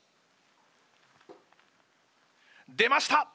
出ました！